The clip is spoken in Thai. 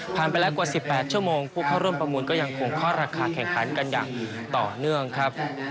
ไปแล้วกว่า๑๘ชั่วโมงผู้เข้าร่วมประมูลก็ยังคงเคาะราคาแข่งขันกันอย่างต่อเนื่องครับ